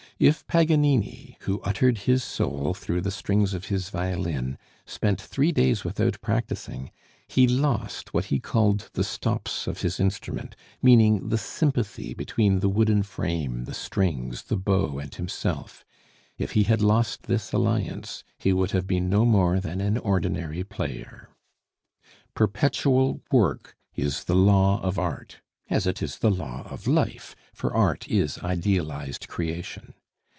If Paganini, who uttered his soul through the strings of his violin, spent three days without practising, he lost what he called the stops of his instrument, meaning the sympathy between the wooden frame, the strings, the bow, and himself; if he had lost this alliance, he would have been no more than an ordinary player. Perpetual work is the law of art, as it is the law of life, for art is idealized creation.